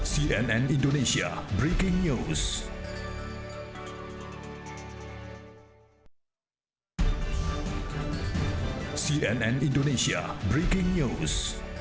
cnn indonesia breaking news